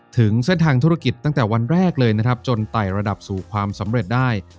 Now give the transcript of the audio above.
ถึงเส้นทางธุรกิจตั้งแต่วันแรกเลยนะครับจนไต่ระดับสู่ความสำเร็จได้